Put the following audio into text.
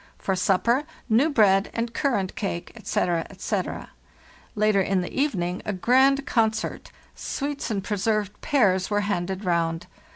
For supper: new bread and currant cake, etc., etc. Later in the evening, a grand concert. Sweets and preserved pears were handed round.